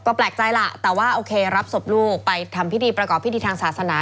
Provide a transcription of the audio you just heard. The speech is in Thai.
ก็แปลกใจล่ะแต่ว่าโอเครับศพลูกไปทำพิธีประกอบพิธีทางศาสนา